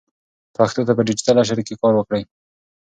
پښتو ته په ډیجیټل عصر کې کار وکړئ.